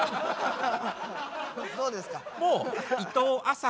どうですか？